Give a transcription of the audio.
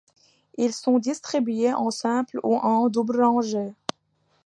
Ils sont distribués en simples ou en doubles rangées.